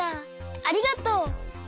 ありがとう。